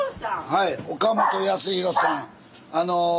はい岡本安広さん。